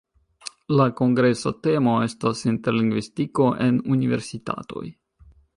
La kongresa temo estas: "Interlingvistiko en universitatoj".